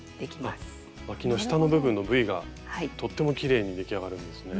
あっわきの下の部分のＶがとってもきれいに出来上がるんですね。